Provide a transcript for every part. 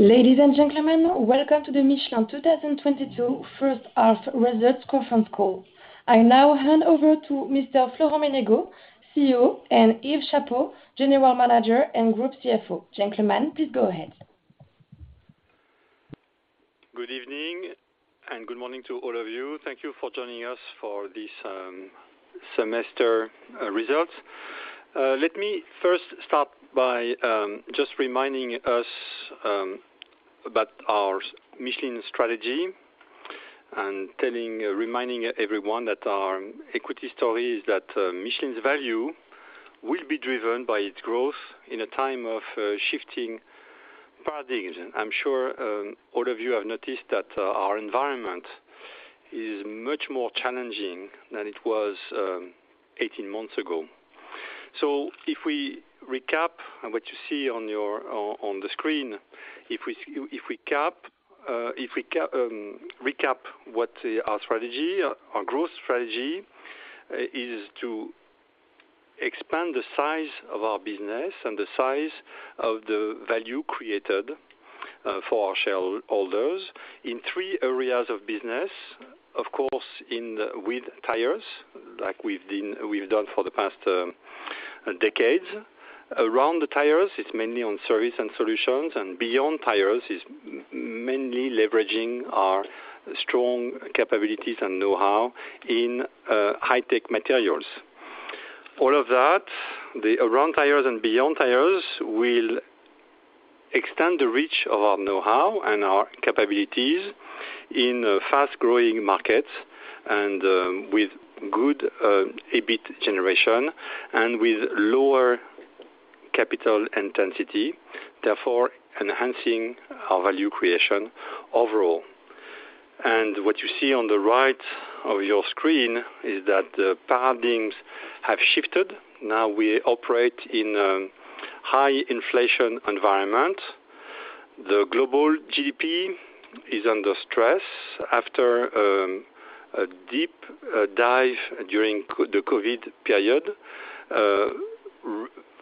Ladies and gentlemen, welcome to the Michelin 2022 first half results conference call. I now hand over to Mr. Florent Menegaux, CEO, and Yves Chapot, General Manager and Group CFO. Gentlemen, please go ahead. Good evening and good morning to all of you. Thank you for joining us for this semester results. Let me first start by just reminding everyone that our equity story is that Michelin's value will be driven by its growth in a time of shifting paradigms. I'm sure all of you have noticed that our environment is much more challenging than it was 18 months ago. If we recap what you see on the screen, if we recap what our growth strategy is to expand the size of our business and the size of the value created for our shareholders in three areas of business, of course, with tires, like we've done for the past decades. Around the tires, it's mainly on service and solutions, and beyond tires is mainly leveraging our strong capabilities and know-how in high-tech materials. All of that, the around tires and beyond tires, will extend the reach of our know-how and our capabilities in fast-growing markets and with good EBIT generation and with lower capital intensity, therefore enhancing our value creation overall. What you see on the right of your screen is that the paradigms have shifted. Now we operate in a high inflation environment. The global GDP is under stress after a deep dive during the COVID period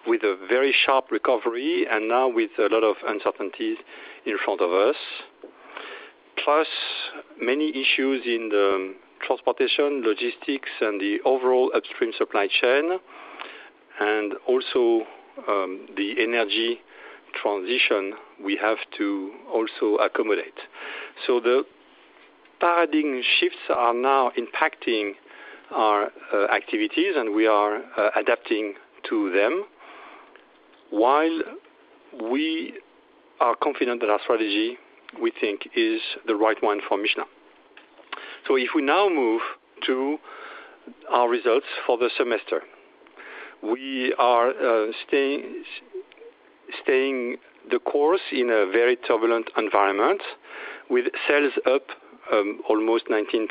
with a very sharp recovery and now with a lot of uncertainties in front of us, plus many issues in the transportation, logistics, and the overall upstream supply chain, and also the energy transition we have to also accommodate. The paradigm shifts are now impacting our activities, and we are adapting to them while we are confident that our strategy, we think, is the right one for Michelin. If we now move to our results for the semester. We are staying the course in a very turbulent environment with sales up almost 19%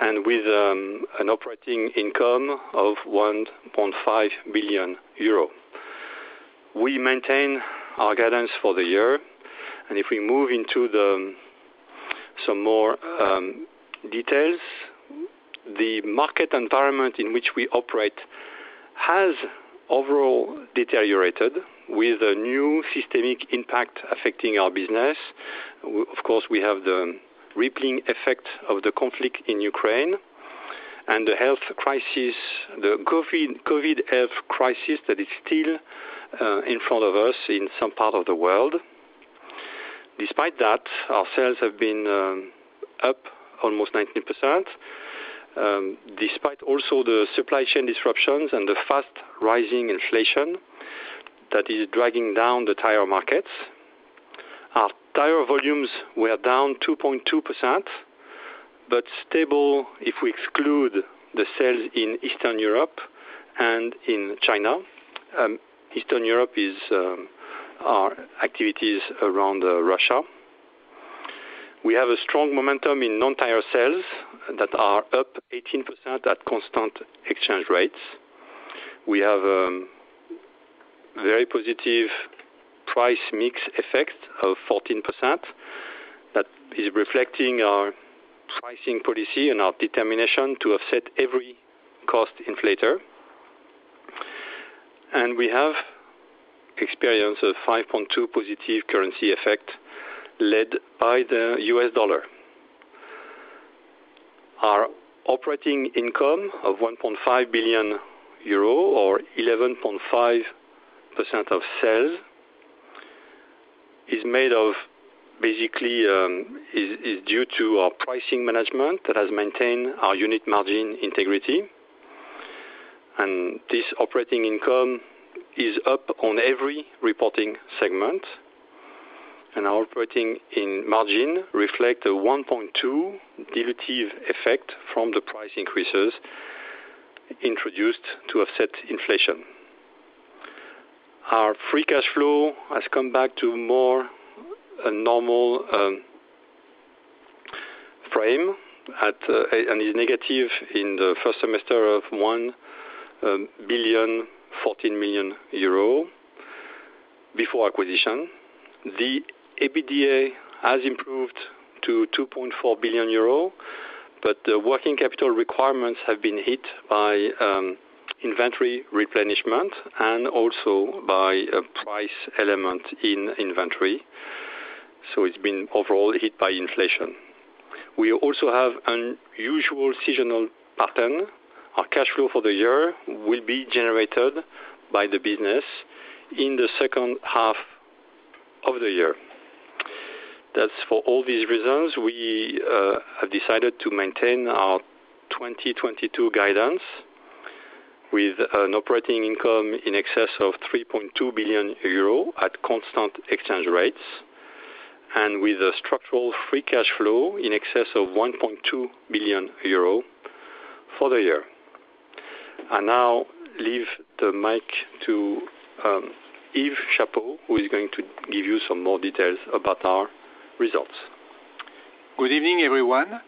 and with an operating income of 1.5 billion euro. We maintain our guidance for the year. If we move into some more details, the market environment in which we operate has overall deteriorated with a new systemic impact affecting our business. Of course, we have the rippling effect of the conflict in Ukraine and the health crisis, the COVID health crisis that is still in front of us in some part of the world. Despite that, our sales have been up almost 19%, despite also the supply chain disruptions and the fast rising inflation that is dragging down the tire markets. Our tire volumes were down 2.2%, but stable if we exclude the sales in Eastern Europe and in China. Eastern Europe is our activities around Russia. We have a strong momentum in non-tire sales that are up 18% at constant exchange rates. We have very positive price mix effect of 14% that is reflecting our pricing policy and our determination to offset every cost inflation. We have experienced a 5.2% positive currency effect led by the US dollar. Our operating income of 1.5 billion euro or 11.5% of sales is due to our pricing management that has maintained our unit margin integrity. This operating income is up in every reporting segment. Our operating margin reflects a 1.2% derivative effect from the price increases introduced to offset inflation. Our free cash flow has come back to a more normal frame and is negative in the first semester of 1.014 billion before acquisition. The EBITDA has improved to 2.4 billion euro. The working capital requirements have been hit by inventory replenishment and also by a price element in inventory. It's been overall hit by inflation. We also have a usual seasonal pattern. Our cash flow for the year will be generated by the business in the second half of the year. That's for all these reasons, we have decided to maintain our 2022 guidance with an operating income in excess of 3.2 billion euro at constant exchange rates, and with a structural free cash flow in excess of 1.2 billion euro for the year. I now leave the mic to Yves Chapot, who is going to give you some more details about our results. Good evening, everyone.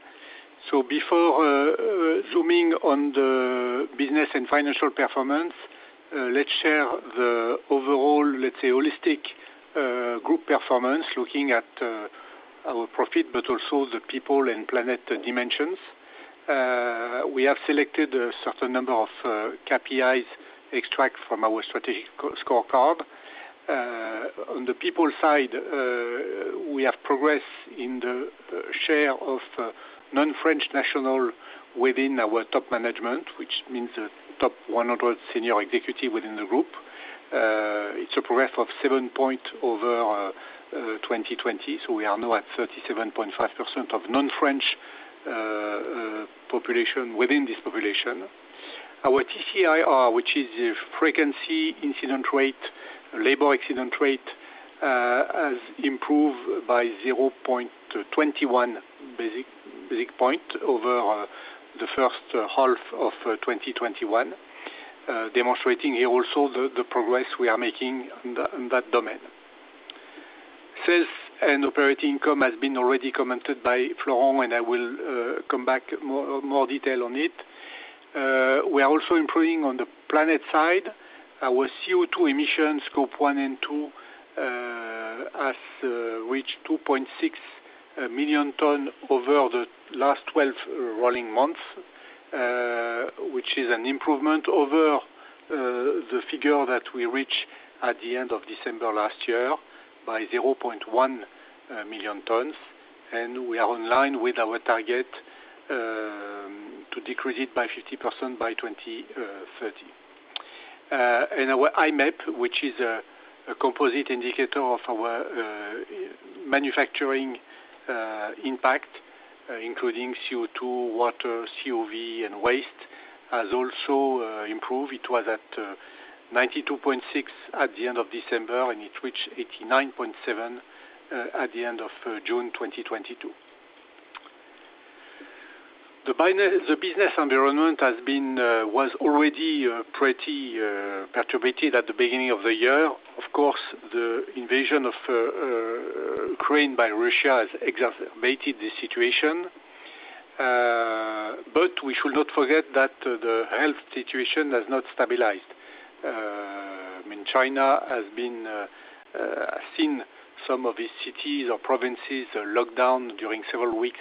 Before zooming on the business and financial performance, let's share the overall, let's say, holistic group performance, looking at our profit, but also the people and planet dimensions. We have selected a certain number of KPIs extracted from our strategic scorecard. On the people side, we have progress in the share of non-French nationals within our top management, which means the top 100 senior executives within the group. It's a progress of seven points over 2020. We are now at 37.5% of non-French population within this population. Our TCIR, which is the frequency incident rate, labor accident rate, has improved by 0.21 basis points over the first half of 2021, demonstrating here also the progress we are making on that domain. Sales and operating income has been already commented by Florent, and I will come back more detail on it. We are also improving on the planet side. Our CO₂ emissions, scope one and two, has reached 2.6 million tons over the last 12 rolling months, which is an improvement over the figure that we reach at the end of December last year by 0.1 million tons. We are online with our target to decrease it by 50% by 2030. Our IMAP, which is a composite indicator of our manufacturing impact, including CO₂, water, VOC, and waste, has also improved. It was at 92.6 at the end of December, and it reached 89.7 at the end of June 2022. The business environment has been already pretty perturbed at the beginning of the year. Of course, the invasion of Ukraine by Russia has exacerbated the situation. We should not forget that the health situation has not stabilized. I mean, China has seen some of its cities or provinces locked down during several weeks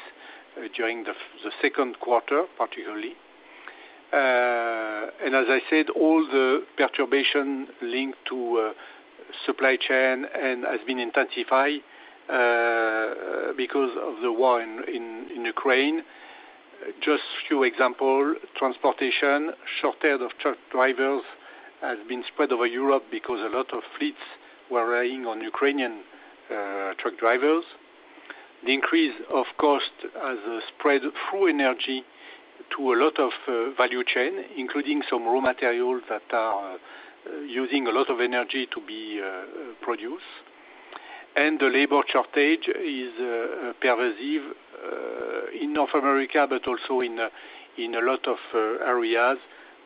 during the Q2, particularly. As I said, all the perturbation linked to supply chain and has been intensified because of the war in Ukraine. Just few example, transportation, shortage of truck drivers has been spread over Europe because a lot of fleets were relying on Ukrainian truck drivers. The increase of cost has spread through energy to a lot of value chain, including some raw material that are using a lot of energy to be produced. The labor shortage is pervasive in North America, but also in a lot of areas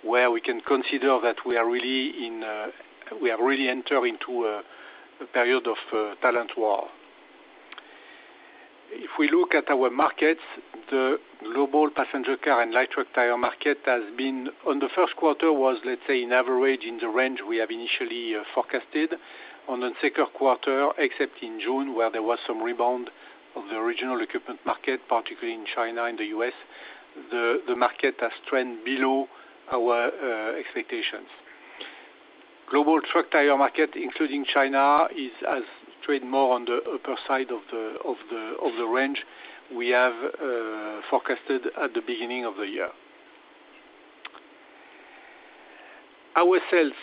where we can consider that we have really entered into a period of talent war. If we look at our markets, the global passenger car and light truck tire market has been in the Q1, let's say on average in the range we have initially forecasted. In the Q2, except in June, where there was some rebound of the original equipment market, particularly in China and the US, the market has trended below our expectations. Global truck tire market, including China, has traded more on the upper side of the range we have forecasted at the beginning of the year. Our sales,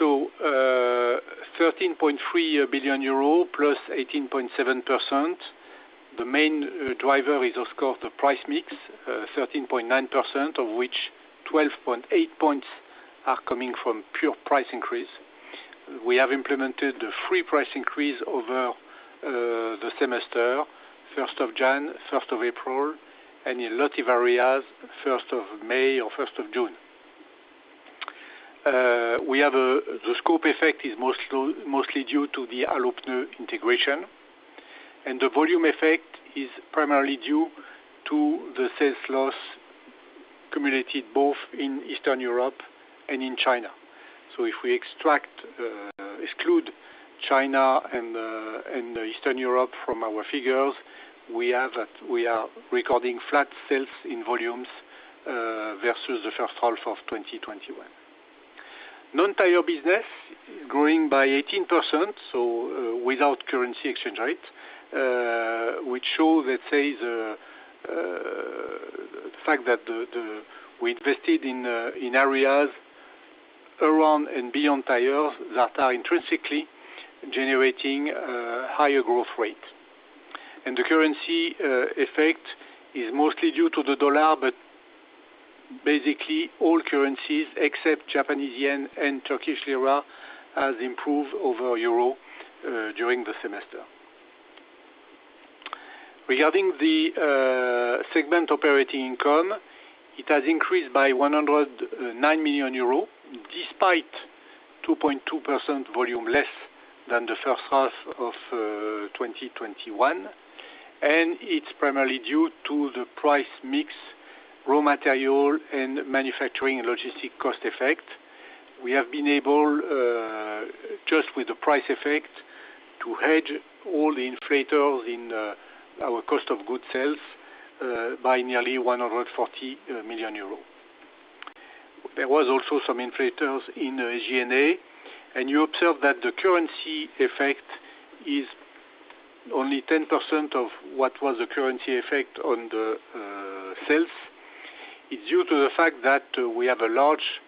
EUR 13.3 billion +18.7%. The main driver is of course the price mix, 13.9%, of which 12.8 points are coming from pure price increase. We have implemented the price increase over the semester, January 1st, April 1st, and in a lot of areas, May 1st or June 1st. The scope effect is mostly due to the Allopneus integration, and the volume effect is primarily due to the sales losses cumulated both in Eastern Europe and in China. If we exclude China and Eastern Europe from our figures, we are recording flat sales in volumes versus the first half of 2021. Non-tire business growing by 18%, so without currency exchange rate, which shows, let's say, the fact that we invested in areas around and beyond tires that are intrinsically generating higher growth rate. The currency effect is mostly due to the dollar, but basically all currencies except Japanese yen and Turkish lira has improved over euro during the semester. Regarding the segment operating income, it has increased by 109 million euros despite 2.2% volume less than the first half of 2021, and it's primarily due to the price mix, raw material and manufacturing logistic cost effect. We have been able just with the price effect to hedge all the inflation in our cost of goods sold by nearly 140 million euros. There was also some inflation in G&A, and you observe that the currency effect is only 10% of what was the currency effect on the sales. It's due to the fact that we have a large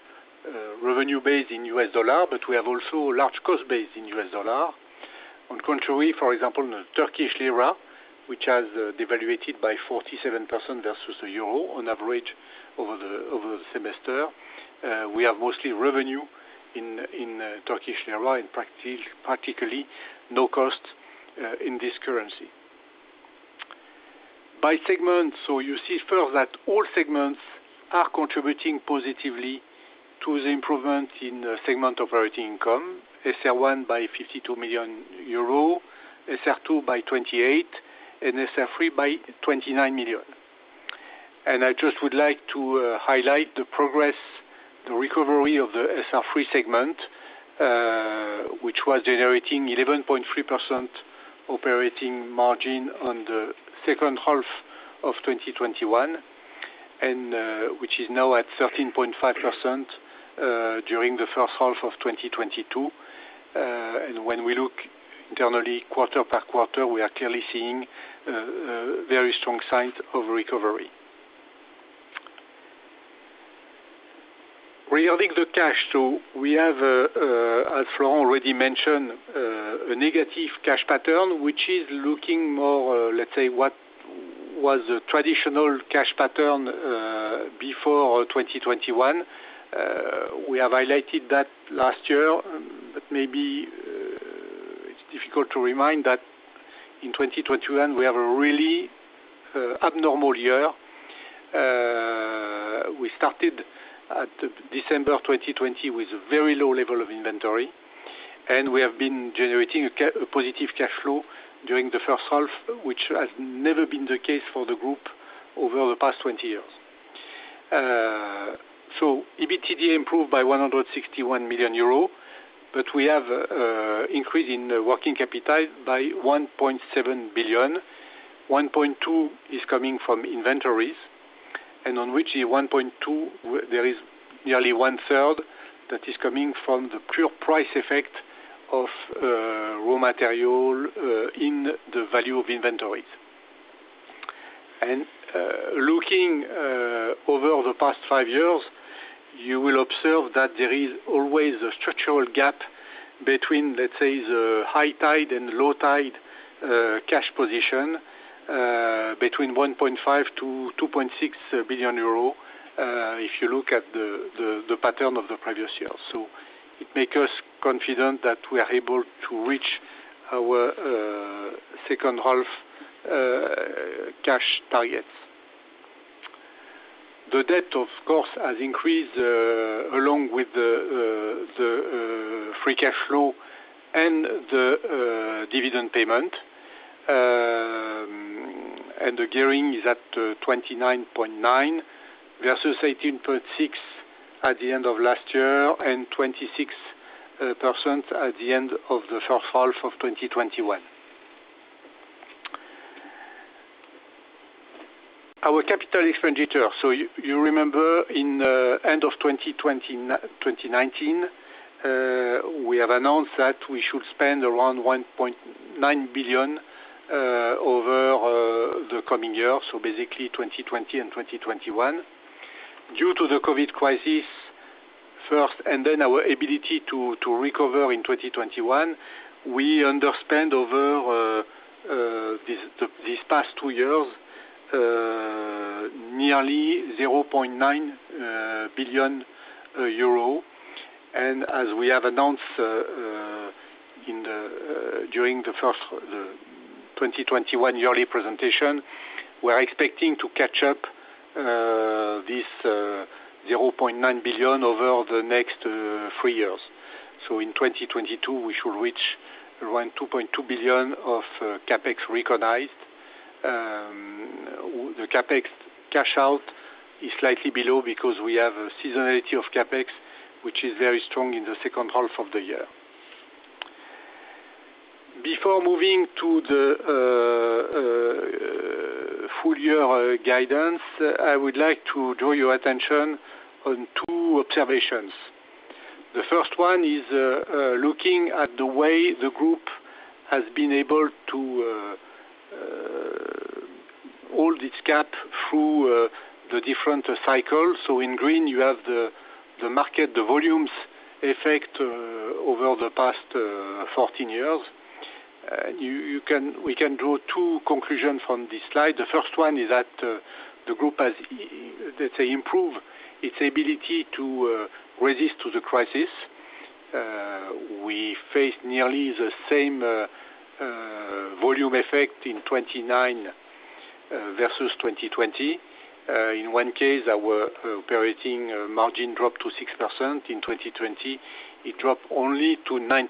revenue base in U.S. dollar, but we have also a large cost base in U.S. dollar. On the contrary, for example, the Turkish lira, which has devaluated by 47% versus the euro on average over the semester, we have mostly revenue in Turkish lira, particularly no cost in this currency. By segment, so you see first that all segments are contributing positively to the improvement in the segment operating income. SR1 by 52 million euro, SR2 by 28 million, and SR3 by 29 million. I just would like to highlight the progress, the recovery of the SR3 segment, which was generating 11.3% operating margin on the second half of 2021, and which is now at 13.5% during the first half of 2022. When we look internally quarter per quarter, we are clearly seeing very strong signs of recovery. Regarding the cash, we have, as Florent already mentioned, a negative cash pattern, which is looking more, let's say, what was the traditional cash pattern before 2021. We have highlighted that last year, but maybe it's difficult to remember that in 2021, we have a really abnormal year. We started in December of 2020 with a very low level of inventory, and we have been generating a positive cash flow during the first half, which has never been the case for the group over the past 20 years. EBITDA improved by 161 million euro, but we have an increase in working capital by 1.7 billion. 1.2 billion is coming from inventories, and on which the 1.2 billion, there is nearly one-third that is coming from the pure price effect of raw material in the value of inventories. Looking over the past five years, you will observe that there is always a structural gap between, let's say, the high tide and low tide cash position between 1.5 billion to 2.6 billion euro, if you look at the pattern of the previous years. It make us confident that we are able to reach our second-half cash targets. The debt, of course, has increased along with the free cash flow and the dividend payment. The gearing is at 29.9 versus 18.6 at the end of last year and 26% at the end of the first half of 2021. Our capital expenditure. You remember in the end of 2019, we have announced that we should spend around 1.9 billion over the coming years, so basically 2020 and 2021. Due to the COVID crisis first, and then our ability to recover in 2021, we underspent over these past two years nearly 0.9 billion euro. As we have announced during the 2021 yearly presentation, we are expecting to catch up this 0.9 billion over the next three years. In 2022, we should reach around 2.2 billion of CapEx recognized. The CapEx cash out is slightly below because we have a seasonality of CapEx, which is very strong in the second half of the year. Before moving to the full year guidance, I would like to draw your attention on two observations. The first one is looking at the way the group has been able to hold its CapEx through the different cycles. In green you have the market, the volumes effect over the past 14 years. We can draw two conclusions from this slide. The first one is that the group has, let's say, improved its ability to resist to the crisis. We faced nearly the same volume effect in 2019 versus 2020. In one case, our operating margin dropped to 6%. In 2020, it dropped only to 9%.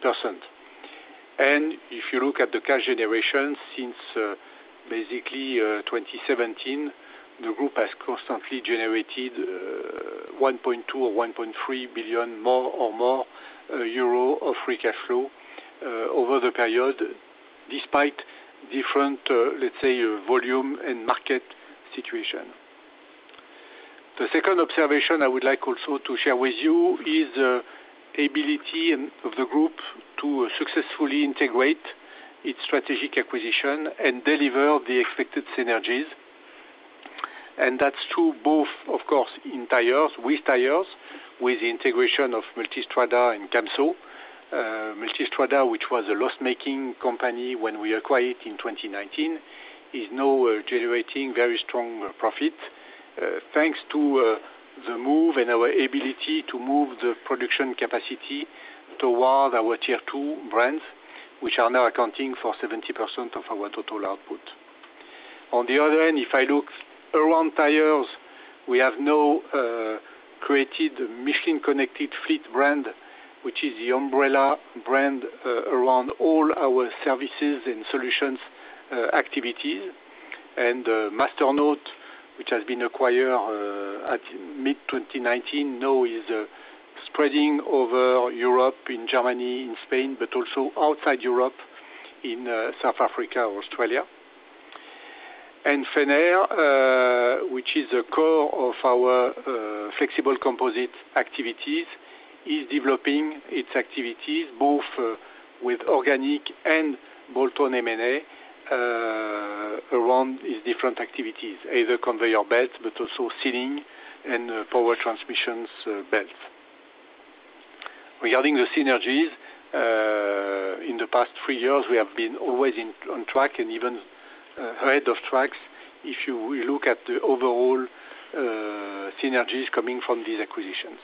If you look at the cash generation, since basically 2017, the group has constantly generated 1.2 or 1.3 billion more of free cash flow over the period, despite different, let's say, volume and market situation. The second observation I would like also to share with you is the ability of the group to successfully integrate its strategic acquisition and deliver the expected synergies. That's true both, of course, in tires, with the integration of Multistrada and Camso. Multistrada, which was a loss-making company when we acquired in 2019, is now generating very strong profit, thanks to, the move and our ability to move the production capacity toward our T2 brands, which are now accounting for 70% of our total output. On the other hand, if I look around tires, we have now created the Michelin Connected Fleet brand, which is the umbrella brand, around all our services and solutions, activities. Masternaut, which has been acquired, at mid-2019 now is spreading over Europe, in Germany, in Spain, but also outside Europe, in South Africa or Australia. Fenner, which is the core of our flexible composite activities, is developing its activities both with organic and bolt-on M&A around its different activities, either conveyor belts, but also sealing and power transmissions belts. Regarding the synergies, in the past three years, we have been always on track and even ahead of track we look at the overall synergies coming from these acquisitions.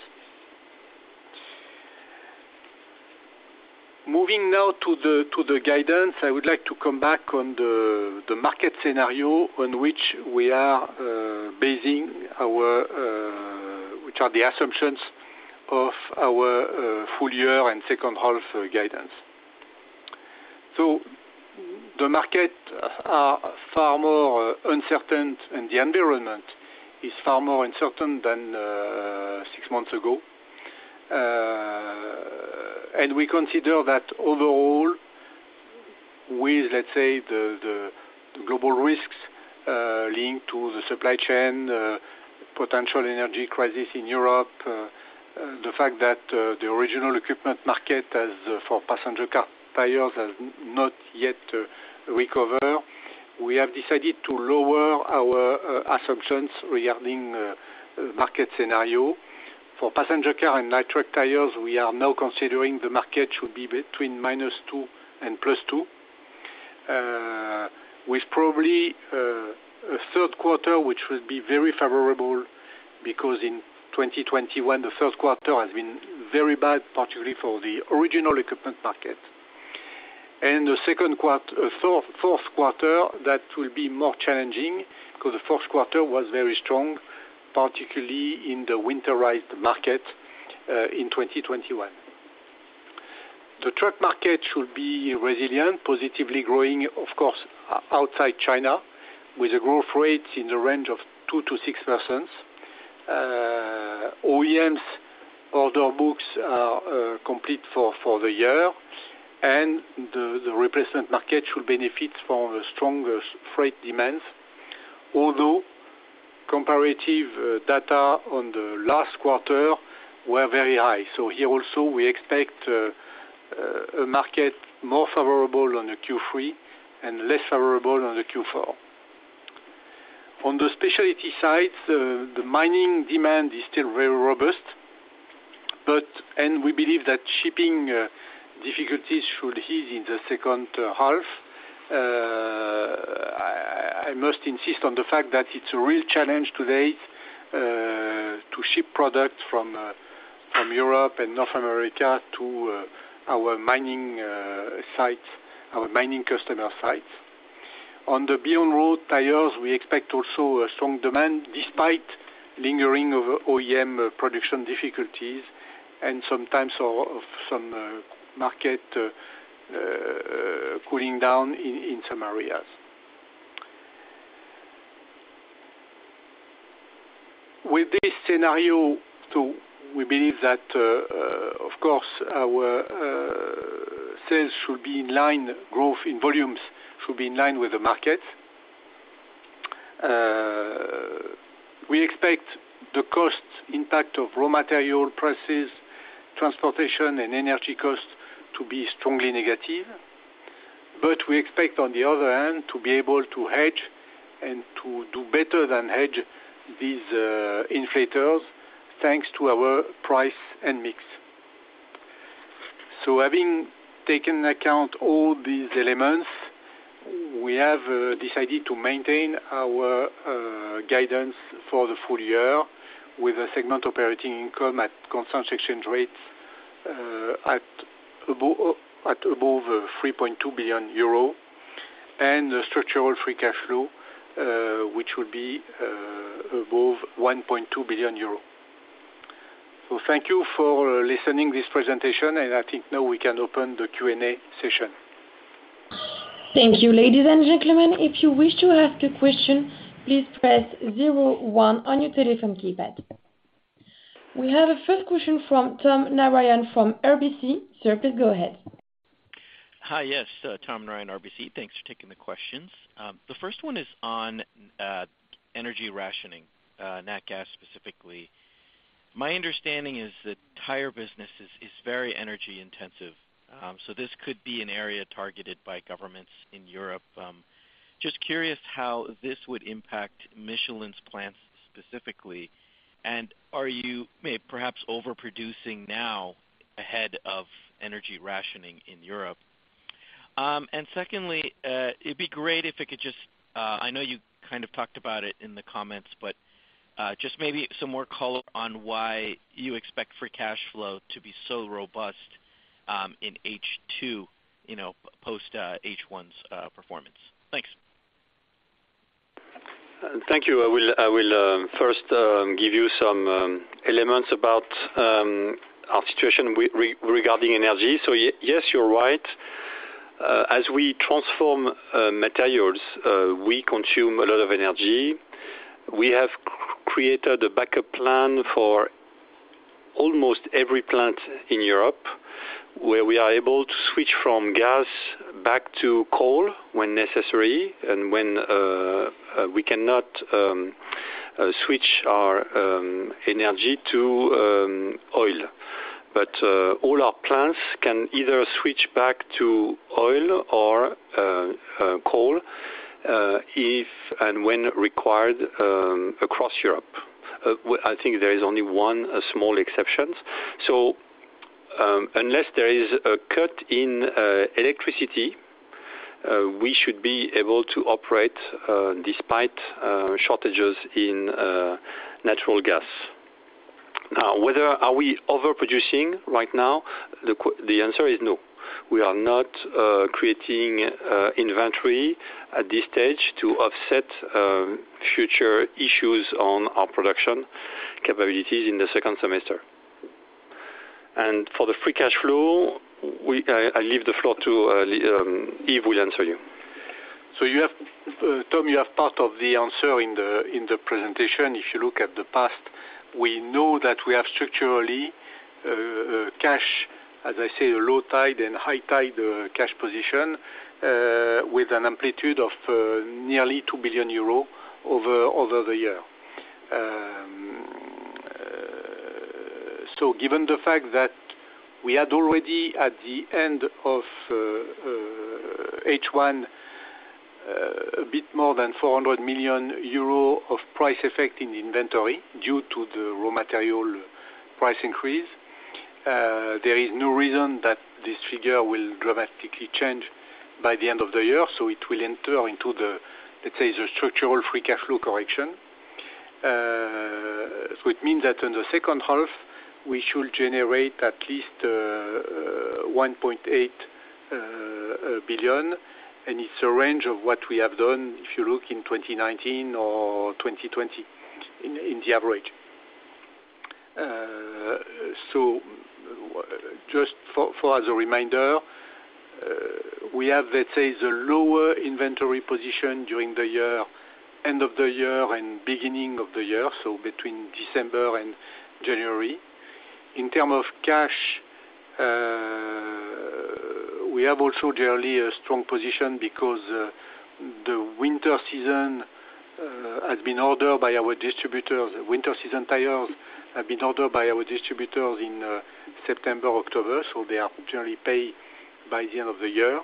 Moving now to the guidance, I would like to come back on the market scenario on which we are basing our which are the assumptions of our full year and second half guidance. The markets are far more uncertain, and the environment is far more uncertain than six months ago. We consider that overall, with, let's say, the global risks, linked to the supply chain, potential energy crisis in Europe, the fact that the original equipment market as for passenger car tires has not yet recovered, we have decided to lower our assumptions regarding market scenario. For passenger car and light truck tires, we are now considering the market should be between -2% and +2%, with probably a Q3, which will be very favorable because in 2021, the Q1 has been very bad, particularly for the original equipment market. The Q4 that will be more challenging because the fourth quarter was very strong, particularly in the winter tire market, in 2021. The truck market should be resilient, positively growing, of course, outside China, with a growth rate in the range of 2%-6%. OEMs order books are complete for the year, and the replacement market should benefit from a stronger freight demand, although comparative data on the last quarter were very high. Here also we expect a market more favorable on the Q3 and less favorable on the Q4. On the specialty side, the mining demand is still very robust, but and we believe that shipping difficulties should ease in the second half. I must insist on the fact that it's a real challenge today to ship products from Europe and North America to our mining sites, our mining customer sites. On the off-the-road tires, we expect also a strong demand despite lingering of OEM production difficulties and sometimes of some market cooling down in some areas. With this scenario too, we believe that of course our sales should be in line, growth in volumes should be in line with the market. We expect the cost impact of raw material prices, transportation, and energy costs to be strongly negative, but we expect, on the other hand, to be able to hedge and to do better than hedge these inflations, thanks to our price and mix. Having taken into account all these elements, we have decided to maintain our guidance for the full year with a segment operating income at constant exchange rates above 3.2 billion euro and structural free cash flow, which will be above 1.2 billion euro. Thank you for listening to this presentation, and I think now we can open the Q&A session. Thank you. Ladies and gentlemen, if you wish to ask a question, please press zero one on your telephone keypad. We have a first question from Tom Narayan from RBC. Sir, please go ahead. Hi. Yes, Tom Narayan, RBC. Thanks for taking the questions. The first one is on energy rationing, natural gas, specifically. My understanding is that tire business is very energy intensive, so this could be an area targeted by governments in Europe. Just curious how this would impact Michelin's plants specifically. Are you maybe overproducing now ahead of energy rationing in Europe? And secondly, it'd be great if it could just, I know you kind of talked about it in the comments, but just maybe some more color on why you expect free cash flow to be so robust in H2, you know, post H1's performance. Thanks. Thank you. I will first give you some elements about our situation regarding energy. Yes, you're right. As we transform materials, we consume a lot of energy. We have created a backup plan for almost every plant in Europe, where we are able to switch from gas back to coal when necessary and when we cannot switch our energy to oil. But all our plants can either switch back to oil or coal, if and when required, across Europe. I think there is only one small exception. Unless there is a cut in electricity, we should be able to operate despite shortages in natural gas. Now, whether we are overproducing right now, the answer is no. We are not creating inventory at this stage to offset future issues on our production capabilities in the second semester. For the free cash flow, I leave the floor to Yves. Yves will answer you. Tom, you have part of the answer in the presentation. If you look at the past, we know that we have structurally cash, as I say, a low tide and high tide cash position with an amplitude of nearly 2 billion euros over the year. Given the fact that we had already at the end of H1 a bit more than 400 million euro of price effect in inventory due to the raw material price increase, there is no reason that this figure will dramatically change by the end of the year, so it will enter into the, let's say, the structural free cash flow correction. It means that in the second half, we should generate at least 1.8 billion, and it's a range of what we have done, if you look in 2019 or 2020 in the average. Just for as a reminder, we have, let's say, the lower inventory position during the year, end of the year and beginning of the year, so between December and January. In terms of cash, we have also generally a strong position because the winter season has been ordered by our distributors. Winter tires have been ordered by our distributors in September, October, so they are generally paid by the end of the year.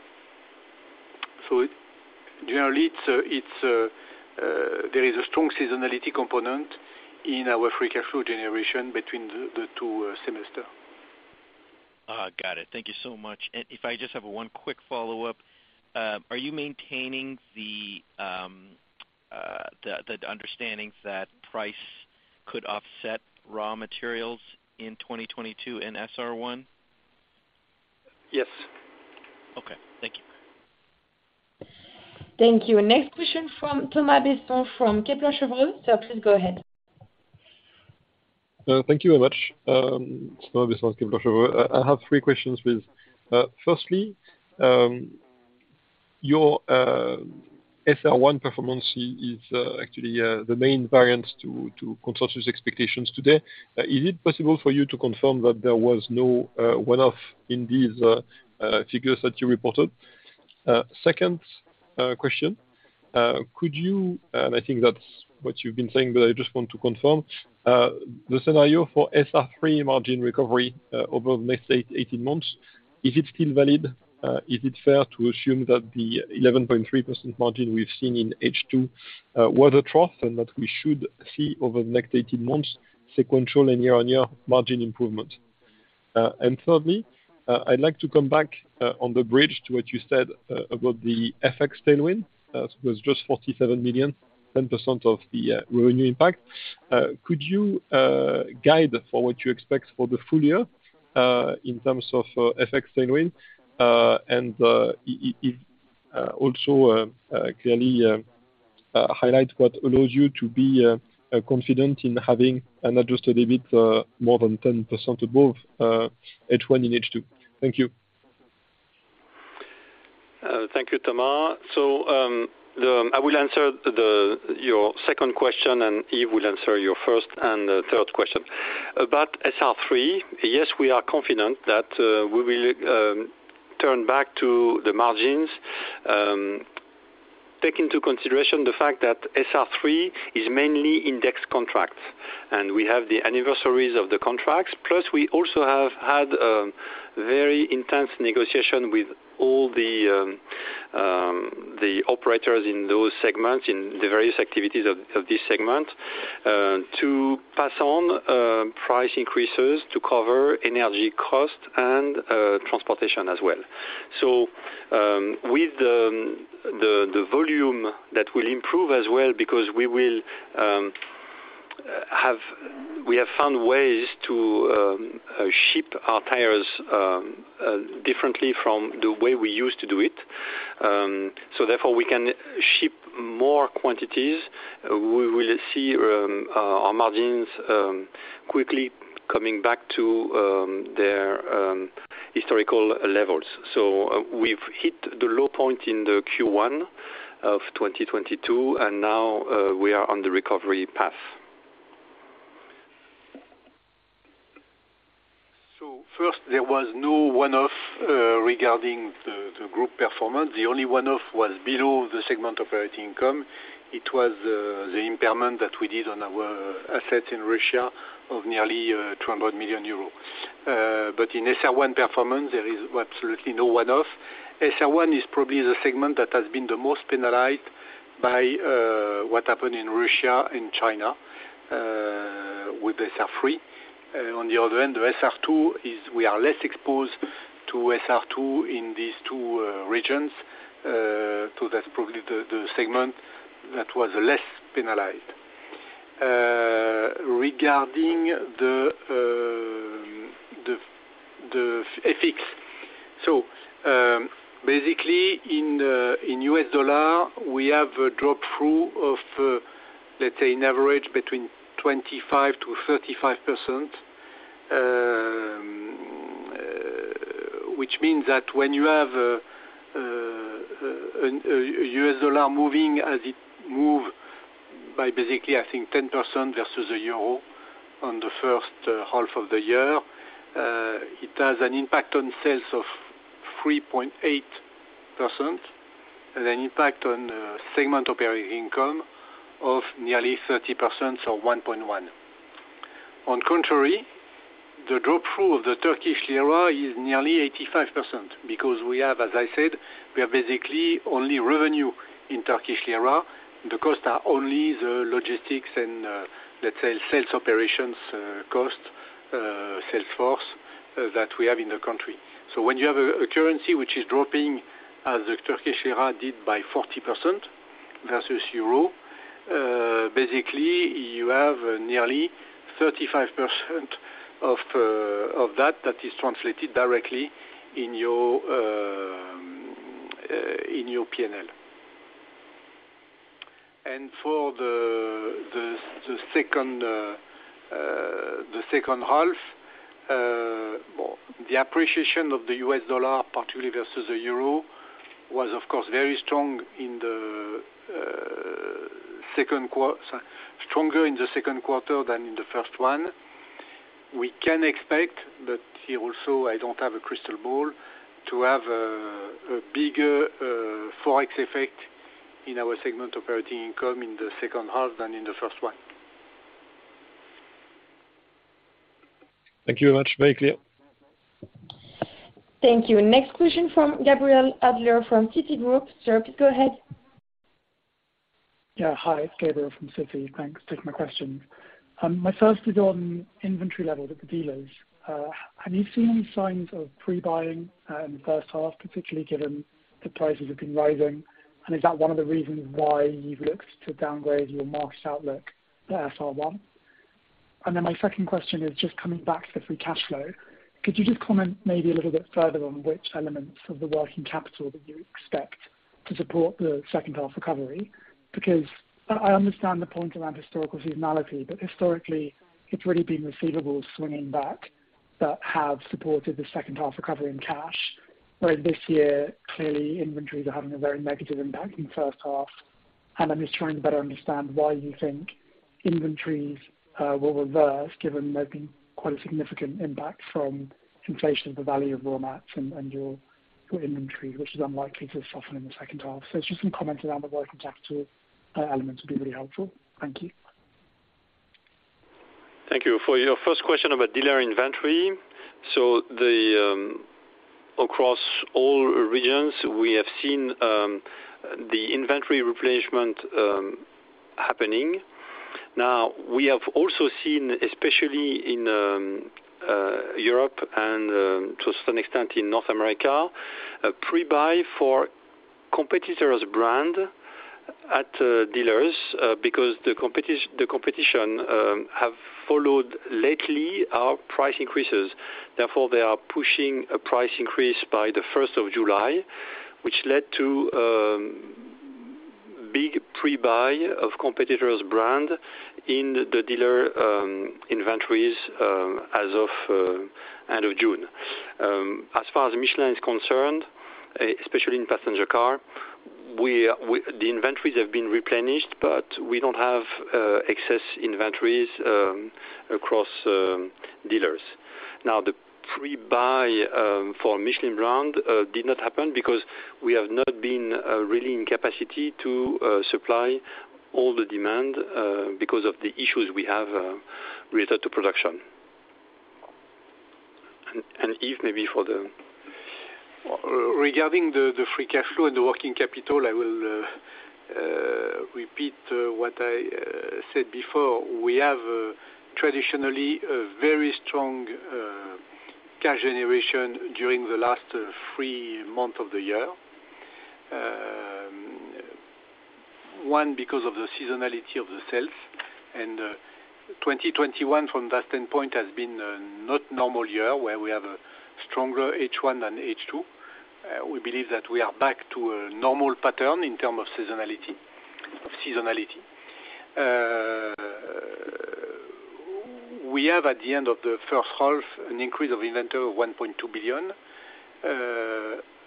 Generally, there is a strong seasonality component in our free cash flow generation between the two semesters. Got it. Thank you so much. If I just have one quick follow-up, are you maintaining the understanding that price could offset raw materials in 2022 in SR1? Yes. Okay. Thank you. Thank you. Next question from Thomas Besson from Kepler Cheuvreux. Sir, please go ahead. Thank you very much. Thomas Besson, Kepler Cheuvreux. I have three questions with firstly, your SR1 performance is actually the main variance to consensus expectations today. Is it possible for you to confirm that there was no one-off in these figures that you reported? Second question, could you? I think that's what you've been saying, but I just want to confirm, the scenario for SR3 margin recovery over the next 18 months, is it still valid? Is it fair to assume that the 11.3% margin we've seen in H2 was a trough, and that we should see over the next 18 months sequential and year-on-year margin improvement? Thirdly, I'd like to come back on the bridge to what you said about the FX tailwind. It was just 47 million, 10% of the revenue impact. Could you guide for what you expect for the full year in terms of FX tailwind? If also clearly highlight what allows you to be confident in having an adjusted EBIT more than 10% above H1 in H2. Thank you. Thank you, Thomas. I will answer your second question, and Yves will answer your first and third question. About SR3, yes, we are confident that we will turn back to the margins. Take into consideration the fact that SR3 is mainly index contracts. We have the anniversaries of the contracts. Plus, we also have had very intense negotiation with all the operators in those segments, in the various activities of this segment, to pass on price increases to cover energy costs and transportation as well. With the volume that will improve as well because we have found ways to ship our tires differently from the way we used to do it. Therefore, we can ship more quantities. We will see our margins quickly coming back to their historical levels. We've hit the low point in the Q1 of 2022, and now, we are on the recovery path. First, there was no one-off regarding the group performance. The only one-off was below the segment operating income. It was the impairment that we did on our assets in Russia of nearly 200 million euros. In SR1 performance, there is absolutely no one-off. SR1 is probably the segment that has been the most penalized by what happened in Russia and China with SR3. On the other end, the SR2 is we are less exposed to SR2 in these two regions. That's probably the segment that was less penalized. Regarding the FX. Basically, in US dollar, we have a drop-through of, let's say, an average between 25%-35%, which means that when you have a US dollar moving as it moved by basically, I think, 10% versus the euro on the first half of the year, it has an impact on sales of 3.8% and an impact on segment operating income of nearly 30%, so 1.1. On the contrary, the drop-through of the Turkish lira is nearly 85% because, as I said, we have basically only revenue in Turkish lira. The costs are only the logistics and, let's say, sales operations costs, sales force that we have in the country. When you have a currency which is dropping as the Turkish lira did by 40% versus euro, basically you have nearly 35% of that that is translated directly in your P&L. For the second half, well, the appreciation of the US dollar, particularly versus the euro, was of course very strong, stronger in the Q2 than in the first one. We can expect that here also, I don't have a crystal ball, to have a bigger Forex effect in our segment operating income in the second half than in the first one. Thank you very much. Very clear. Thank you. Next question from Gabriel Adler from Citigroup. Sir, please go ahead. Yeah. Hi, it's Gabriel from Citi. Thanks for taking my questions. My first is on inventory level with the dealers. Have you seen any signs of pre-buying in the first half, particularly given the prices have been rising? Is that one of the reasons why you've looked to downgrade your market outlook for SR1? My second question is just coming back to the free cash flow. Could you just comment maybe a little bit further on which elements of the working capital that you expect to support the second half recovery? Because I understand the point around historical seasonality, but historically it's really been receivables swinging back that have supported the second half recovery in cash. Whereas this year, clearly inventories are having a very negative impact in first half. I'm just trying to better understand why you think inventories will reverse given there's been quite a significant impact from inflation of the value of raw materials and your inventory, which is unlikely to soften in the second half. Just some comment around the working capital elements would be really helpful. Thank you. Thank you. For your first question about dealer inventory, across all regions, we have seen the inventory replenishment happening. Now, we have also seen, especially in Europe and to some extent in North America, a pre-buy for competitors' brand at dealers because the competition have followed lately our price increases. Therefore, they are pushing a price increase by the July 1st, which led to big pre-buy of competitors brand in the dealer inventories as of end of June. As far as Michelin is concerned, especially in passenger car, the inventories have been replenished, but we don't have excess inventories across dealers. Now, the pre-buy for Michelin brand did not happen because we have not been really in capacity to supply all the demand because of the issues we have related to production. Yves, maybe for the Regarding the free cash flow and the working capital, I will repeat what I said before. We have traditionally a very strong cash generation during the last three month of the year. One, because of the seasonality of the sales, and 2021 from that standpoint has been not normal year where we have a stronger H1 than H2. We believe that we are back to a normal pattern in term of seasonality. We have at the end of the first half an increase of inventory of 1.2 billion.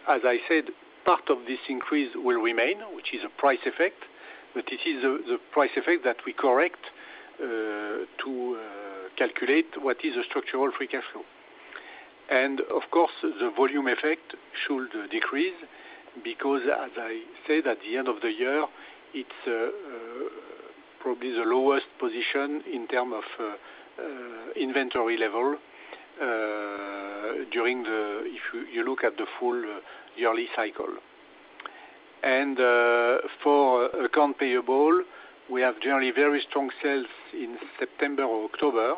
As I said, part of this increase will remain, which is a price effect, but it is the price effect that we correct to calculate what is a structural free cash flow. Of course, the volume effect should decrease because as I said, at the end of the year, it's probably the lowest position in terms of inventory level during the year if you look at the full yearly cycle. For accounts payable, we have generally very strong sales in September or October.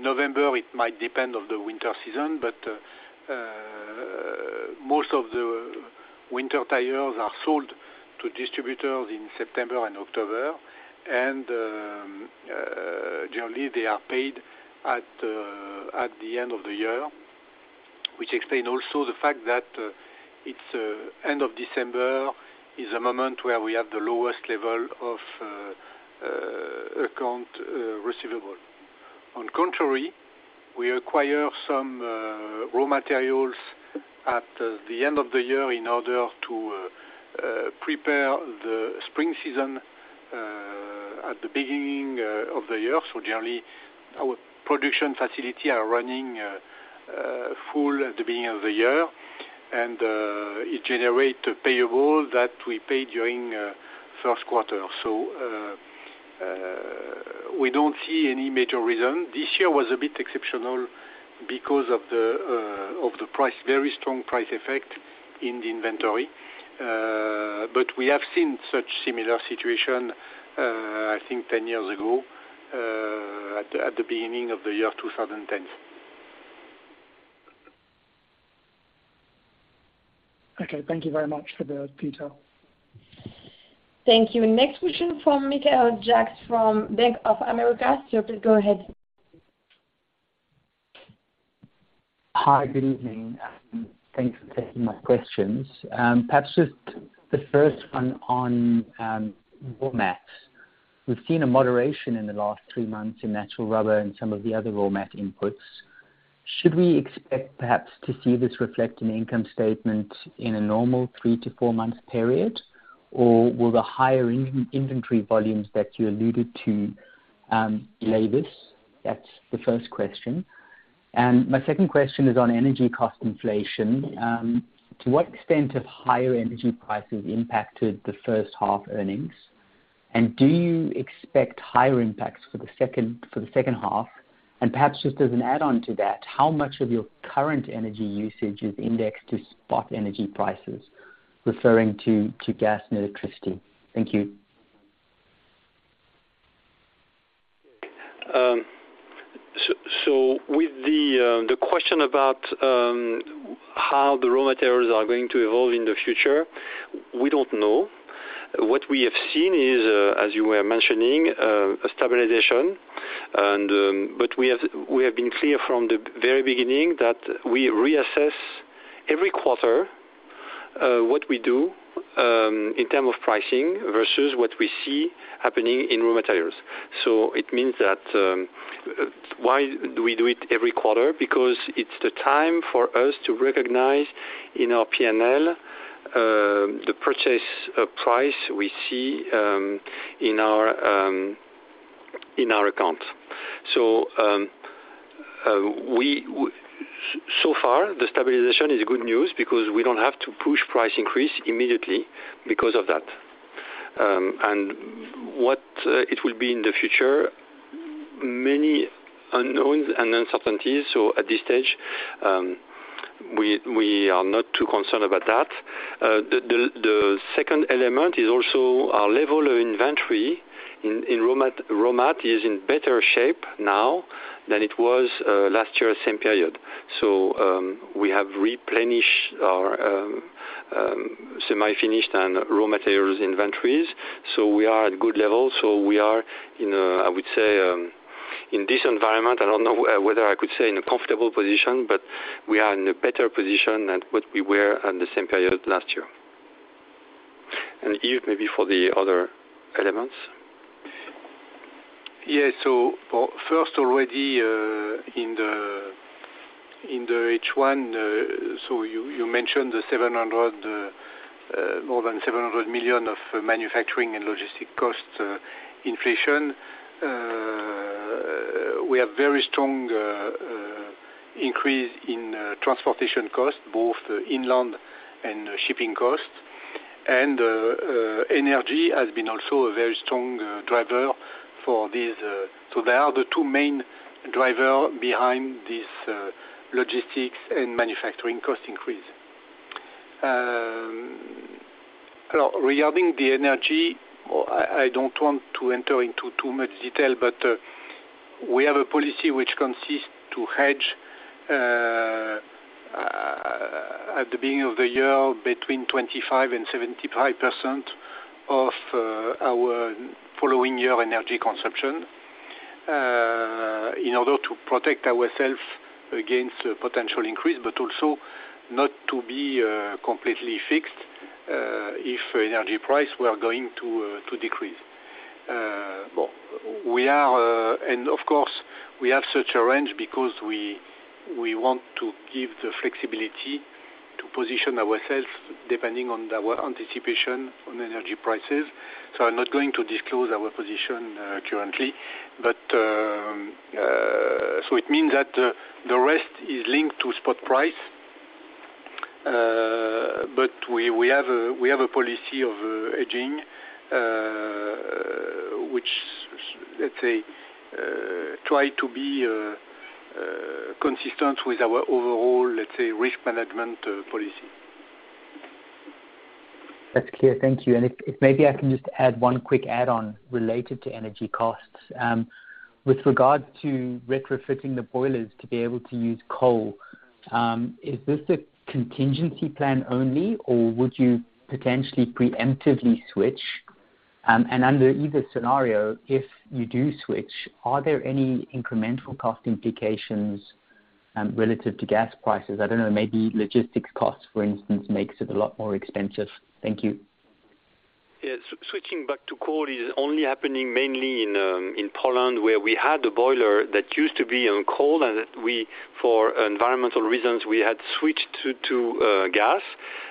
November, it might depend on the winter season, but most of the winter tires are sold to distributors in September and October. Generally, they are paid at the end of the year, which explain also the fact that the end of December is a moment where we have the lowest level of accounts receivable. On the contrary, we acquire some raw materials at the end of the year in order to prepare the spring season at the beginning of the year. Generally, our production facility are running full at the beginning of the year, and it generate a payable that we pay during Q1. We don't see any major reason. This year was a bit exceptional because of the very strong price effect in the inventory. But we have seen such similar situation, I think 10 years ago, at the beginning of the year 2010. Okay. Thank you very much for the detail. Thank you. Next question from Akshat Kacker from Bank of America. Sir, please go ahead. Hi. Good evening. Thanks for taking my questions. Perhaps just the first one on raw mats. We've seen a moderation in the last three months in natural rubber and some of the other raw mat inputs. Should we expect perhaps to see this reflect in the income statement in a normal three- to four-month period? Or will the higher inventory volumes that you alluded to delay this? That's the first question. My second question is on energy cost inflation. To what extent have higher energy prices impacted the first half earnings? And do you expect higher impacts for the second half? Perhaps just as an add on to that, how much of your current energy usage is indexed to spot energy prices, referring to gas and electricity? Thank you. With the question about how the raw materials are going to evolve in the future, we don't know. What we have seen is as you were mentioning a stabilization and but we have been clear from the very beginning that we reassess every quarter what we do in terms of pricing versus what we see happening in raw materials. It means that, why do we do it every quarter? Because it's the time for us to recognize in our P&L the purchase price we see in our account. So far, the stabilization is good news because we don't have to push price increase immediately because of that. What it will be in the future, many unknowns and uncertainties. At this stage, we are not too concerned about that. The second element is also our level of inventory in raw materials is in better shape now than it was last year, same period. We have replenished our semi-finished and raw materials inventories, so we are at good levels. We are in a, I would say, in this environment, I don't know whether I could say in a comfortable position, but we are in a better position than what we were at the same period last year. Yves, maybe for the other elements. First, already, in the H1, you mentioned the more than 700 million of manufacturing and logistics cost inflation. We have very strong increase in transportation costs, both inland and shipping costs. Energy has been also a very strong driver for this. They are the two main driver behind this logistics and manufacturing cost increase. Regarding the energy, I don't want to enter into too much detail, but we have a policy which consists to hedge at the beginning of the year between 25% and 75% of our following year energy consumption in order to protect ourselves against potential increase, but also not to be completely fixed if energy price were going to decrease. Of course, we have such a range because we want to give the flexibility to position ourselves depending on our anticipation on energy prices. I'm not going to disclose our position currently. It means that the rest is linked to spot price. We have a policy of hedging which, let's say, consistent with our overall, let's say, risk management policy. That's clear. Thank you. If maybe I can just add one quick add-on related to energy costs. With regard to retrofitting the boilers to be able to use coal, is this a contingency plan only, or would you potentially preemptively switch? Under either scenario, if you do switch, are there any incremental cost implications, relative to gas prices? I don't know, maybe logistics costs, for instance, makes it a lot more expensive. Thank you. Yeah. Switching back to coal is only happening mainly in Poland, where we had a boiler that used to be on coal, and we, for environmental reasons, we had switched to gas,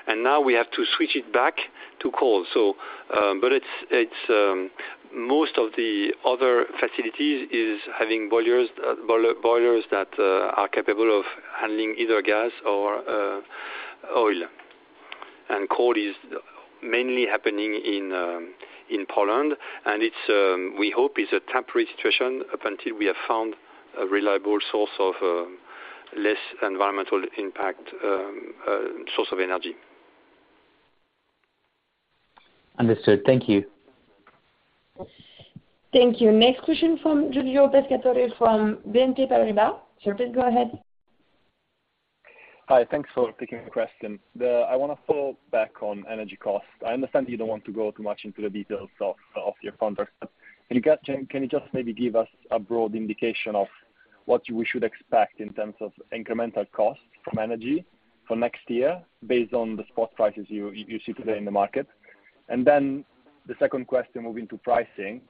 and now we have to switch it back to coal. It's most of the other facilities is having boilers that are capable of handling either gas or oil. Coal is mainly happening in Poland, and it's we hope it's a temporary situation up until we have found a reliable source of less environmental impact source of energy. Understood. Thank you. Thank you. Next question from Giulio Pescatore, from BNP Paribas. Sir, please go ahead. Hi. Thanks for taking the question. I wanna follow back on energy costs. I understand you don't want to go too much into the details of your contracts, but can you just maybe give us a broad indication of what we should expect in terms of incremental costs from energy for next year based on the spot prices you see today in the market? The second question, moving to pricing.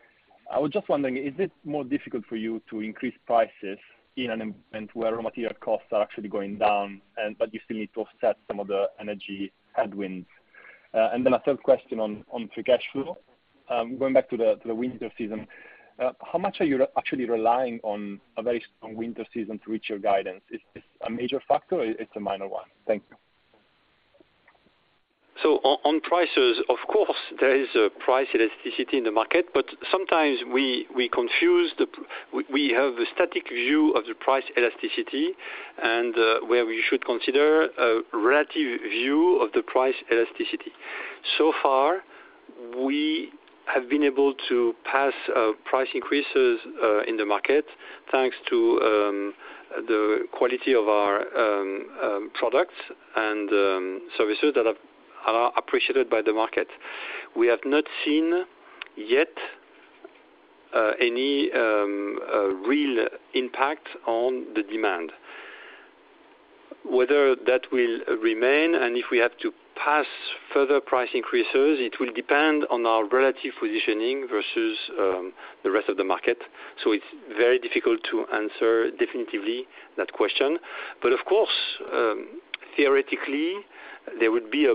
I was just wondering, is it more difficult for you to increase prices in an environment where raw material costs are actually going down, but you still need to offset some of the energy headwinds? A third question on free cash flow. Going back to the winter season, how much are you actually relying on a very strong winter season to reach your guidance? Is this a major factor or it's a minor one? Thank you. On prices, of course, there is a price elasticity in the market, but sometimes we have a static view of the price elasticity and where we should consider a relative view of the price elasticity. So far, we have been able to pass price increases in the market thanks to the quality of our products and services that are appreciated by the market. We have not seen yet any real impact on the demand. Whether that will remain and if we have to pass further price increases, it will depend on our relative positioning versus the rest of the market. It's very difficult to answer definitively that question. Of course, theoretically there would be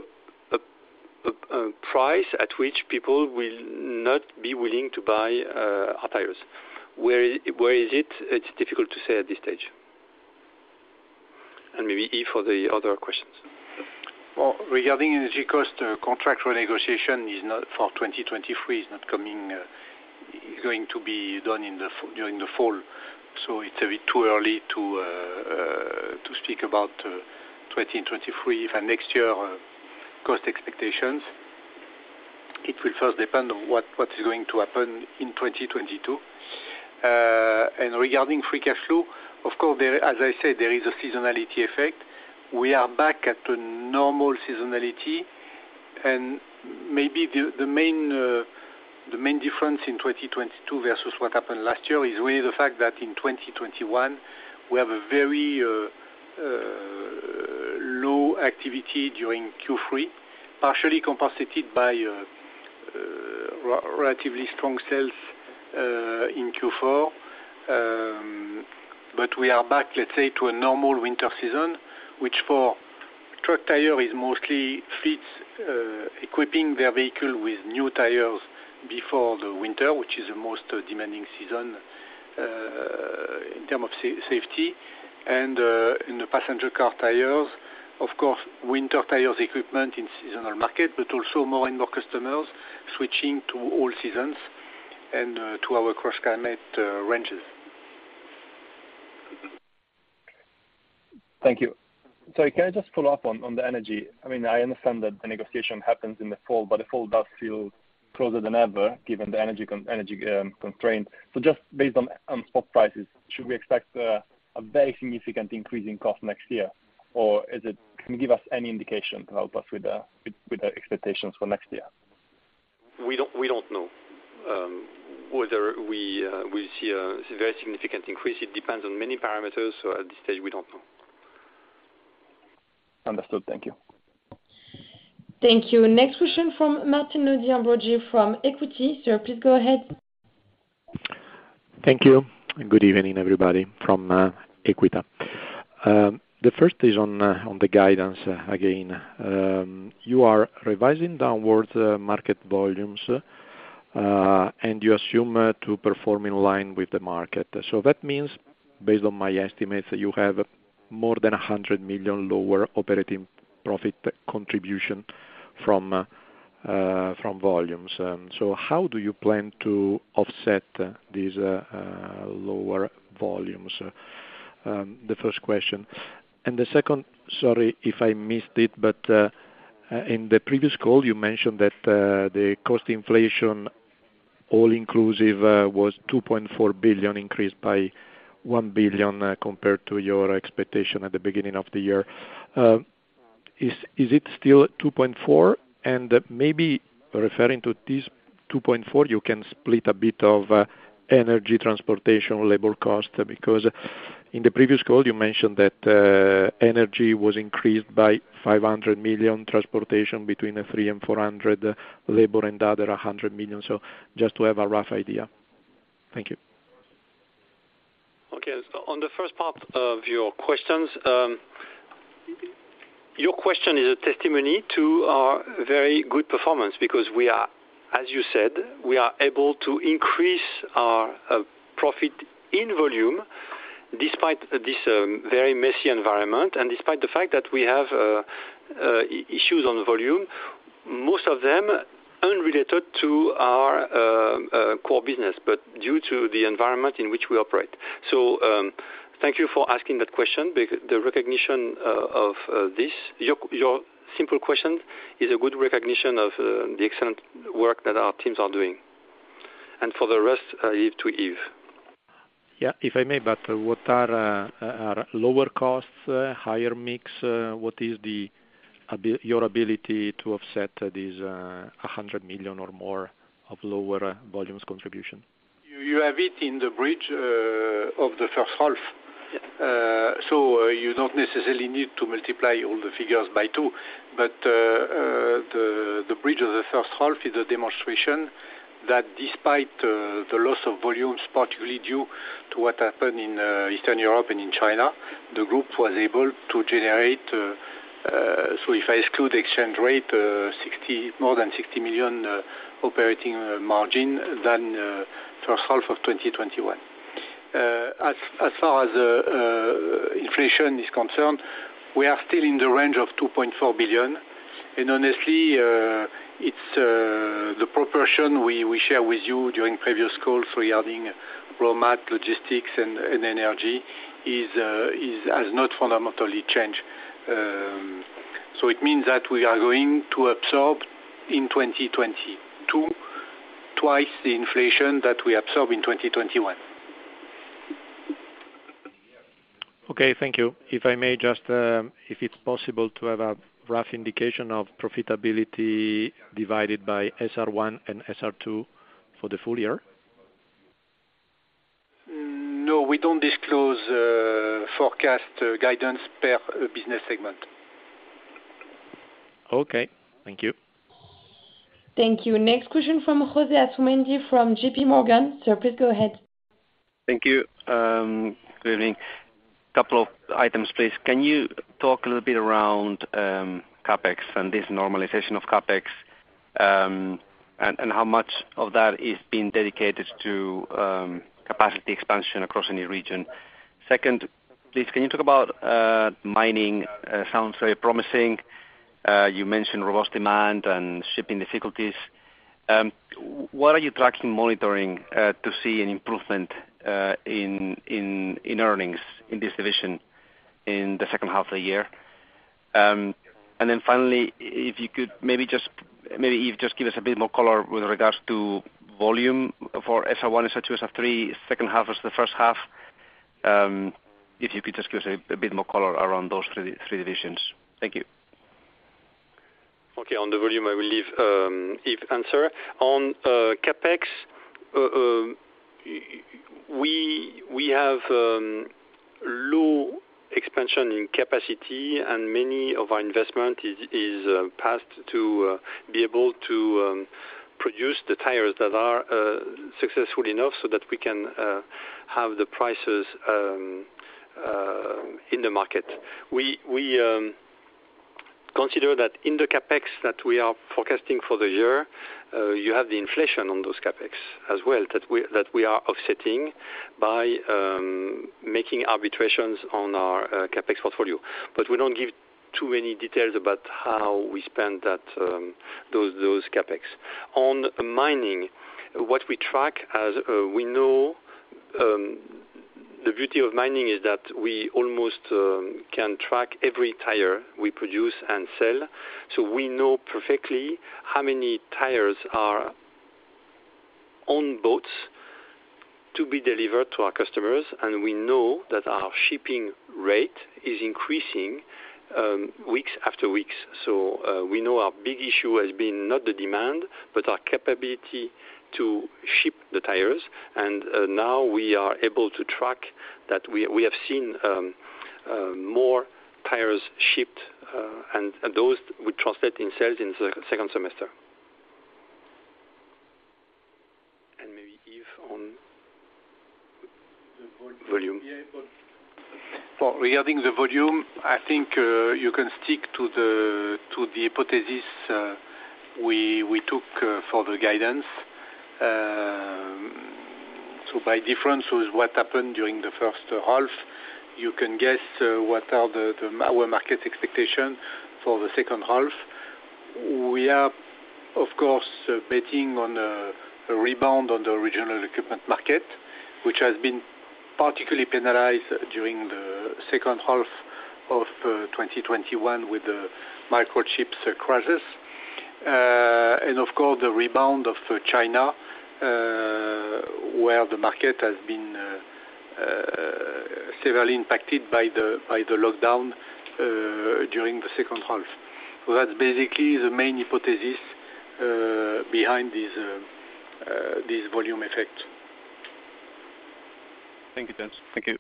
a price at which people will not be willing to buy our tires. Where is it? It's difficult to say at this stage. Maybe Yves for the other questions. Well, regarding energy cost, contract renegotiation is not for 2023, is not coming, going to be done during the fall, so it's a bit too early to speak about 2023 and next year cost expectations. It will first depend on what is going to happen in 2022. Regarding free cash flow, of course, as I said, there is a seasonality effect. We are back at a normal seasonality, and maybe the main difference in 2022 versus what happened last year is really the fact that in 2021 we have a very low activity during Q3, partially compensated by relatively strong sales in Q4. We are back, let's say, to a normal winter season, which for truck tires is mostly fleets equipping their vehicle with new tires before the winter, which is the most demanding season in terms of safety. In the passenger car tires, of course, winter tires equipment in seasonal market, but also more and more customers switching to all seasons and to our CrossClimate ranges. Thank you. Sorry, can I just follow up on the energy? I mean, I understand that the negotiation happens in the fall, but the fall does feel closer than ever given the energy constraint. So just based on spot prices, should we expect a very significant increase in cost next year? Or is it? Can you give us any indication to help us with the expectations for next year? We don't know whether we will see a very significant increase. It depends on many parameters, so at this stage we don't know. Understood. Thank you. Thank you. Next question from Martino De Ambroggi from Equita. Sir, please go ahead. Thank you. Good evening, everybody from Equita. The first is on the guidance again. You are revising downwards market volumes, and you assume to perform in line with the market. So that means, based on my estimates, that you have more than 100 million lower operating profit contribution from volumes. So how do you plan to offset these lower volumes? The first question. The second, sorry if I missed it, but in the previous call you mentioned that the cost inflation all-inclusive was 2.4 billion increased by 1 billion compared to your expectation at the beginning of the year. Is it still 2.4 billion? Maybe referring to this 2.4 billion, you can split a bit of energy, transportation, labor cost, because in the previous call you mentioned that energy was increased by 500 million, transportation between 300 million and 400 million, labor and other 100 million. Just to have a rough idea. Thank you. Okay. On the first part of your questions, your question is a testimony to our very good performance because we are, as you said, able to increase our profit in volume despite this very messy environment and despite the fact that we have issues on volume, most of them unrelated to our core business, but due to the environment in which we operate. Thank you for asking that question. The recognition of this, your simple question is a good recognition of the excellent work that our teams are doing. For the rest, I leave to Yves. If I may, what are lower costs, higher mix? What is your ability to offset these 100 million or more of lower volumes contribution? You have it in the bridge of the first half. Yeah. You don't necessarily need to multiply all the figures by two. The bridge of the first half is a demonstration that despite the loss of volumes, particularly due to what happened in Eastern Europe and in China, the group was able to generate, so if I exclude the exchange rate, more than 60 million operating margin than first half of 2021. As far as inflation is concerned, we are still in the range of 2.4 billion. Honestly, it's The proportion we share with you during previous calls regarding raw mat, logistics and energy has not fundamentally changed. It means that we are going to absorb in 2022 twice the inflation that we absorb in 2021. Okay, thank you. If it's possible to have a rough indication of profitability divided by SR1 and SR2 for the full year? No, we don't disclose forecast guidance per business segment. Okay, thank you. Thank you. Next question from José Asumendi from J.P. Morgan. Sir, please go ahead. Thank you. Good evening. Couple of items, please. Can you talk a little bit around, CapEx and this normalization of CapEx, and how much of that is being dedicated to, capacity expansion across any region? Second, please, can you talk about, mining, sounds very promising. You mentioned robust demand and shipping difficulties. What are you tracking, monitoring, to see an improvement, in earnings in this division in the second half of the year? And then finally, if you could maybe just, maybe, Yves, just give us a bit more color with regards to volume for SR1, SR2, SR3, second half versus the first half, if you could just give us a bit more color around those three divisions. Thank you. Okay. On the volume, I will leave Yves to answer. On CapEx, we have low expansion in capacity, and many of our investment is passed to be able to produce the tires that are successful enough so that we can have the prices in the market. We consider that in the CapEx that we are forecasting for the year, you have the inflation on those CapEx as well, that we are offsetting by making arbitrations on our CapEx portfolio. We don't give too many details about how we spend that, those CapEx. On mining, what we track as we know, the beauty of mining is that we almost can track every tire we produce and sell. We know perfectly how many tires are on boats to be delivered to our customers, and we know that our shipping rate is increasing weeks after weeks. We know our big issue has been not the demand, but our capability to ship the tires. Now we are able to track that we have seen more tires shipped, and those would translate in sales in second semester. Maybe Yves on volume. Regarding the volume, I think you can stick to the hypothesis we took for the guidance. By difference with what happened during the first half, you can guess what are our market expectation for the second half. We are of course betting on a rebound on the original equipment market, which has been particularly penalized during the second half of 2021 with the microchips crisis. Of course, the rebound of China, where the market has been severely impacted by the lockdown during the second half. That's basically the main hypothesis behind this volume effect. Thank you, gents. Thank you.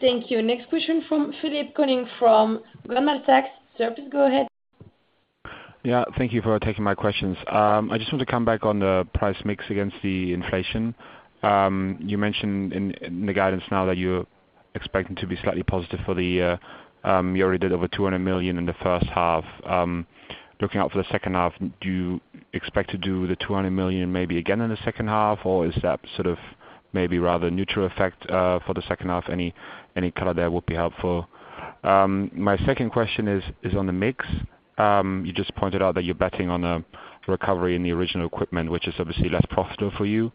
Thank you. Next question from Philippe Houchois from Jefferies. Sir, please go ahead. Yeah, thank you for taking my questions. I just want to come back on the price mix against the inflation. You mentioned in the guidance now that you're expecting to be slightly positive for the year. You already did over 200 million in the first half. Looking out for the second half, do you expect to do the 200 million maybe again in the second half? Or is that sort of maybe rather neutral effect for the second half? Any color there would be helpful. My second question is on the mix. You just pointed out that you're betting on a recovery in the original equipment, which is obviously less profitable for you.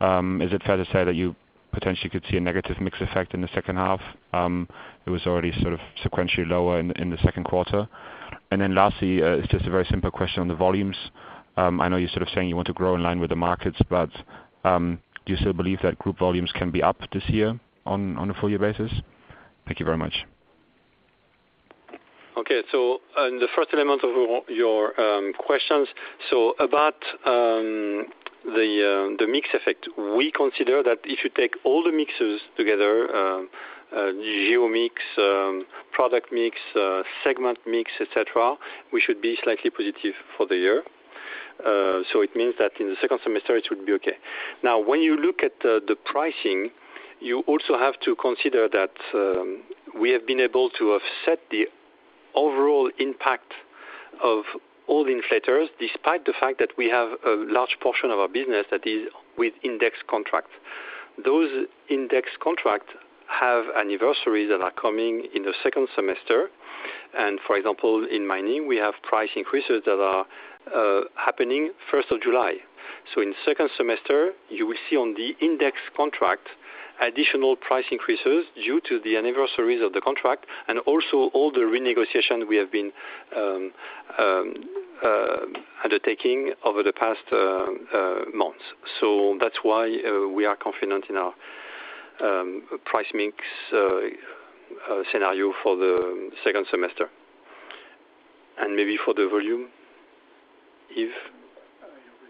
Is it fair to say that you potentially could see a negative mix effect in the second half? It was already sort of sequentially lower in the second quarter. Then lastly, it's just a very simple question on the volumes. I know you're sort of saying you want to grow in line with the markets, but do you still believe that group volumes can be up this year on a full year basis? Thank you very much. On the first element of your questions, about the mix effect, we consider that if you take all the mixes together, geo mix, product mix, segment mix, et cetera, we should be slightly positive for the year. It means that in the second semester it should be okay. Now, when you look at the pricing, you also have to consider that we have been able to offset the overall impact of all the inflation, despite the fact that we have a large portion of our business that is with index contracts. Those index contracts have anniversaries that are coming in the second semester. For example, in mining we have price increases that are happening July 1st. In second semester, you will see on the index contract additional price increases due to the anniversaries of the contract and also all the renegotiation we have been undertaking over the past months. That's why we are confident in our price mix scenario for the second semester. Maybe for the volume, Yves? You already answered.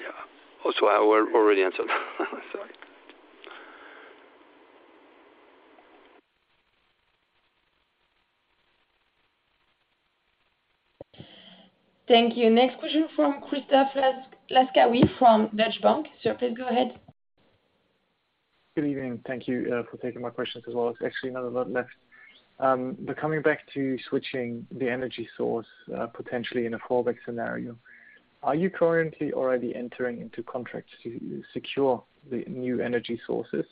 Yeah. Also I already answered. Sorry. Thank you. Next question from Christoph Laskawi from Deutsche Bank. Sir, please go ahead. Good evening. Thank you for taking my questions as well. There's actually not a lot left. Coming back to switching the energy source, potentially in a fallback scenario, are you currently already entering into contracts to secure the new energy sources?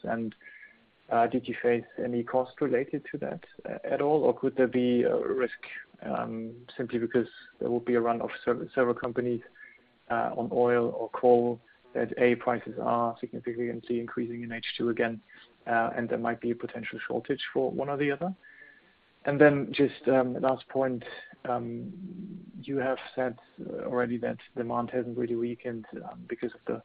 Did you face any cost related to that at all, or could there be a risk simply because there will be a run of several companies on oil or coal as prices are significantly increasing in H2 again, and there might be a potential shortage for one or the other? Just last point, you have said already that demand hasn't really weakened because of the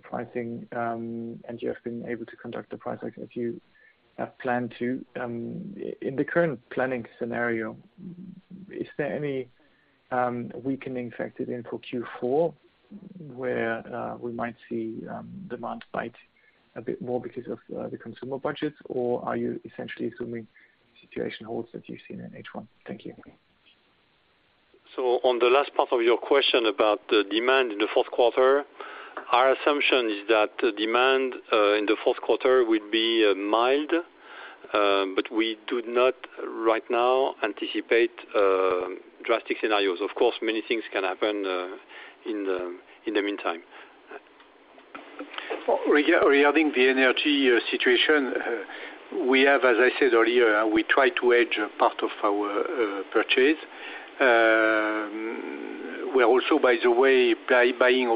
pricing, and you have been able to conduct the price hike if you have planned to. In the current planning scenario, is there any weakening factored in for Q4 where we might see demand bite a bit more because of the consumer budgets, or are you essentially assuming the situation holds that you've seen in H1? Thank you. On the last part of your question about the demand in the Q4, our assumption is that demand in the Q4 will be mild. We do not right now anticipate drastic scenarios. Of course, many things can happen in the meantime. Regarding the energy situation, we have, as I said earlier, we try to hedge part of our purchase. We are also, by the way, buying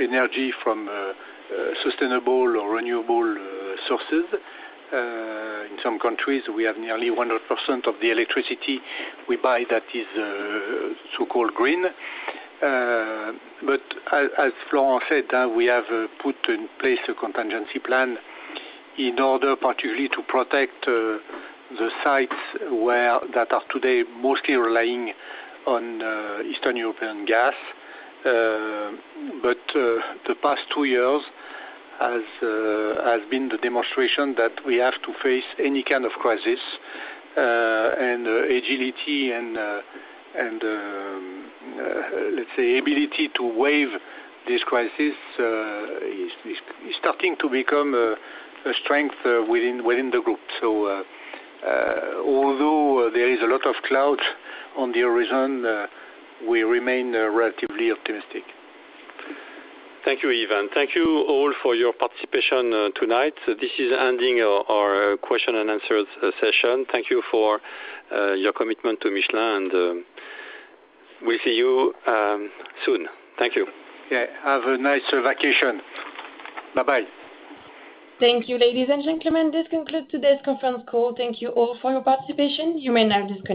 energy from sustainable or renewable sources. In some countries we have nearly 100% of the electricity we buy that is so-called green. As Florent said, we have put in place a contingency plan in order particularly to protect the sites that are today mostly relying on Eastern European gas. The past two years has been the demonstration that we have to face any kind of crisis, and agility and let's say ability to weather this crisis is starting to become a strength within the group. Although there is a lot of clouds on the horizon, we remain relatively optimistic. Thank you, Yves. Thank you all for your participation tonight. This is ending our question-and-answer session. Thank you for your commitment to Michelin, and we'll see you soon. Thank you. Yeah. Have a nice vacation. Bye-bye. Thank you, ladies and gentlemen. This concludes today's conference call. Thank you all for your participation. You may now disconnect.